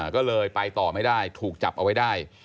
ก็เลยไปต่อไม่ได้ถูกจับเอาไว้ได้